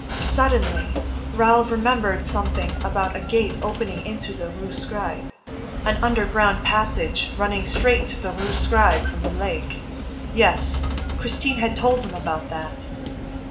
Suddenly, Raoul remembered something about a gate opening into the Rue Scribe, an underground passage running straight to the Rue Scribe from the lake ... Yes, Christine had told him about that...